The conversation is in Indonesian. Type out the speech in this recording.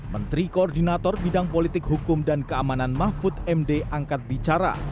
menteri koordinator bidang politik hukum dan keamanan mahfud md angkat bicara